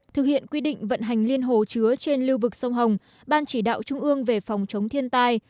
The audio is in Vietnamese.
thực hiện quy định vận hành liên hồ chứa trên lưu vực sông hồng ban chỉ đạo trung ương về phòng chống thiên tai